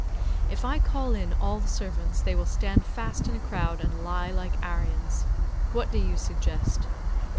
'If I call in all the servants they will stand fast in a crowd and lie like Aryans. What do you suggest?